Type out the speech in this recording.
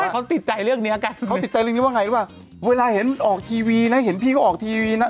เขาติดใจเรื่องนี้หรือแบบเวลาเห็นออกทีวีนะเห็นพี่ก็ออกทีวีนะ